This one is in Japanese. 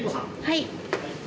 はい。